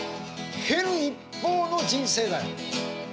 減る一方の人生だよ。